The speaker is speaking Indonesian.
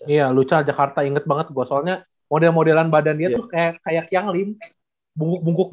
iya lucha jakarta inget banget gue soalnya model modelan badan dia tuh kayak yang limping bungkuk bungkuk gitu